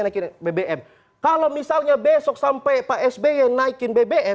naikin bbm kalau misalnya besok sampai pak sby naikin bbm